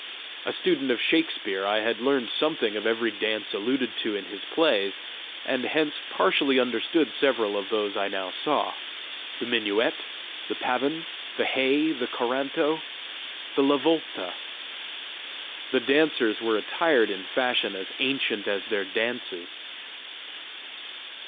A student of Shakspere, I had learned something of every dance alluded to in his plays, and hence partially understood several of those I now saw the minuet, the pavin, the hey, the coranto, the lavolta. The dancers were attired in fashion as ancient as their dances.